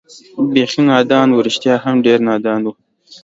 بېخي نادان و، رښتیا هم ډېر نادان و.